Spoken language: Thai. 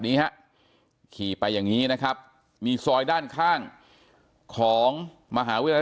นี้ฮะขี่ไปอย่างนี้นะครับมีซอยด้านข้างของมหาวิทยาลัย